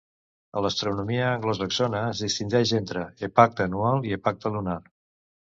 A l'astronomia anglosaxona es distingeix entre epacta anual i epacta lunar.